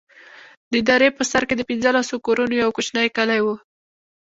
د درې په سر کښې د پنځلسو كورونو يو كوچنى كلى و.